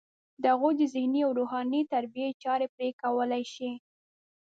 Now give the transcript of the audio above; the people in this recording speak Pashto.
د هغوی د ذهني او روحاني تربیې چاره پرې کولی شي.